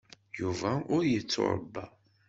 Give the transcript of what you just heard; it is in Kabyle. Yuba ur yettuṛebba.